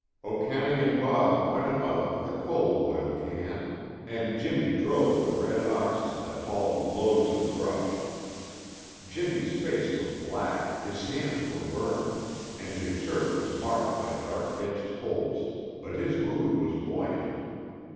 Okanagan Bob went about with a coal oil can, and Jimmy drove the red oxen that hauled loads of brush. Jimmy's face was black, his hand was burned, and his shirt was marked by dark edged holes, but his mood was buoyant.